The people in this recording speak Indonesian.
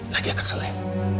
lagi kesel ya